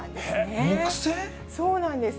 そうなんです。